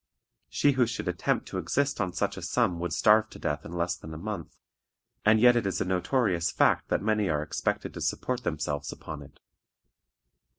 She who should attempt to exist on such a sum would starve to death in less than a month, and yet it is a notorious fact that many are expected to support themselves upon it.